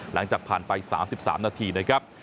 หลังจากผ่านไป๓๓นาทีนะครับ